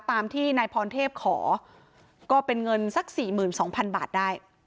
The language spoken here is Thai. ตามที่นายพรเทพขอก็เป็นเงินสัก๔๒๐๐๐บาทได้